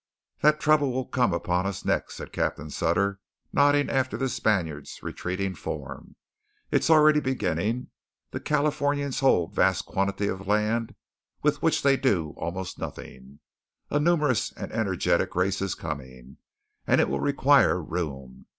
"That trouble will come upon us next," said Captain Sutter, nodding after the Spaniard's retreating form. "It is already beginning. The Californians hold vast quantities of land with which they do almost nothing. A numerous and energetic race is coming; and it will require room.